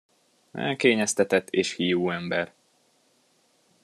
Elkényeztetett és hiú ember.